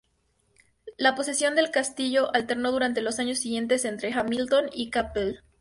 La posesión del castillo alternó durante los años siguiente entre Hamilton y Campbell.